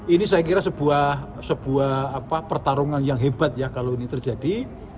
ini saya kira sebuah pertarungan yang hebat ya kalau ini terjadi